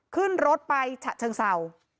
ขึ้นรถไปฉะเชิงเศร้า